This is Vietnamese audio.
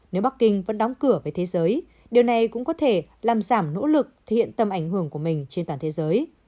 nếu bắc kinh vẫn đóng cửa về thế giới điều này cũng có thể làm giảm nỗ lực thể hiện tầm ảnh hưởng của mình trên toàn thế giới